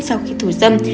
sau khi thủ dâm